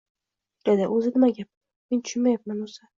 dedi. — Uzi, nima gap? Men tushunmayapman, o‘zi